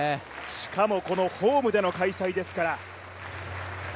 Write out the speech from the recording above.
しかも、このホームでの開催ですから。